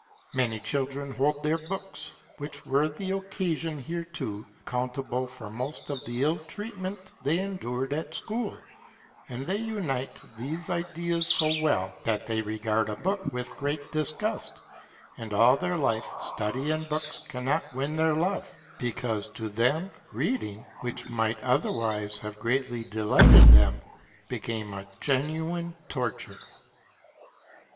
Many children hold their books, which were the occasion hereto, accountable for most of the ill treatment they endured at school, and they unite these ideas so well that they regard a book with great disgust, and all their life study and books 30 LEIBNITZ'S CRITIQUE OF LOCKE [m cannot win their love, because to them reading, which might otherwise have greatly delighted them, became a genuine tor ture.